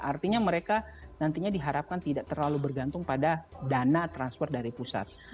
artinya mereka nantinya diharapkan tidak terlalu bergantung pada dana transfer dari pusat